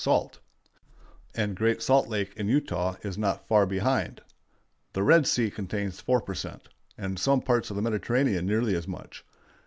salt, and Great Salt Lake in Utah is not far behind. The Red Sea contains 4 per cent., and some parts of the Mediterranean nearly as much.